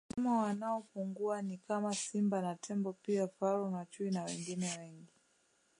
Wanyama wanaopungua ni kama Simba na Tembo pia Faru na Chui na wengine wengi